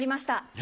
え？